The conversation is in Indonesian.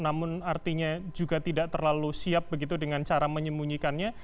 namun artinya juga tidak terlalu siap begitu dengan cara menyembunyikannya